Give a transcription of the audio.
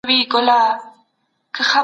ماشین په چټکۍ سره د تورو موازنه کوله.